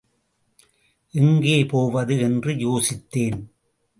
எங்கே போவது என்று யோசித்தேன்.